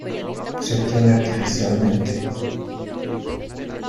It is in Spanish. Se obtiene artificialmente.